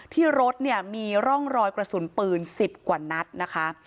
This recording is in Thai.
ที่รถเนี่ยมีร่องรอยกระสุนปืน๑๐กว่านัดนะคะ